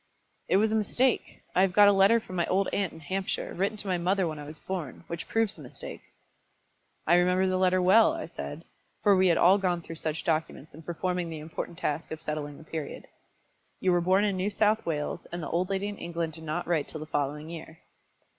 "It was a mistake. I have got a letter from my old aunt in Hampshire, written to my mother when I was born, which proves the mistake." "I remember the letter well," I said, for we had all gone through such documents in performing the important task of settling the Period. "You were born in New South Wales, and the old lady in England did not write till the following year."